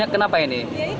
ya itu semrawut kan